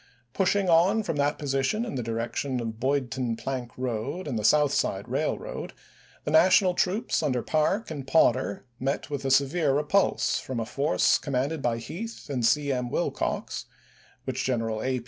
Push ing on from that position in the direction of the Boydton Plank road and the South Side Eailroad, the National troops under Parke and Potter met with a severe repulse from a force commanded by Heth and C. M. Wilcox, which General A.